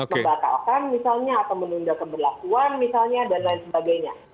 membatalkan misalnya atau menunda keberlakuan misalnya dan lain sebagainya